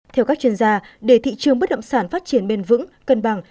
theo các chuyên gia để thị trường bất động sản phát triển bền vững cân bằng